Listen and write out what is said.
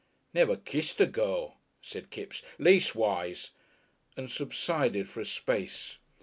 "Never kissed a girl," said Kipps; "leastwise " and subsided for a space.